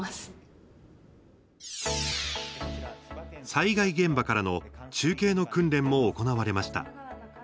災害現場からの中継の訓練も行われました。